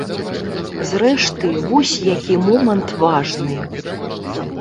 Зрэшты, вось які момант важны.